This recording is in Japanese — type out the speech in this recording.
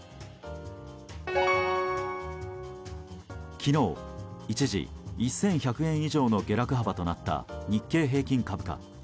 昨日、一時１１００円以上の下落幅となった日経平均株価。